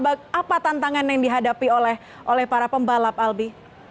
apa tantangan yang dihadapi oleh para pembalap albi